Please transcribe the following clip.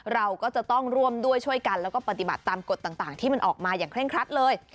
เราก็จะต้องร่วมด้วยช่วยกันแล้วก็ปฏิบัติตามกฎต่างที่มันออกมาอย่างเร่งครัดเลย